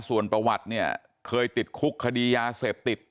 ส่วนประวัติเนี่ยเคยติดคุกคดียาเสพติด